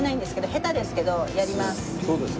下手ですけどやります。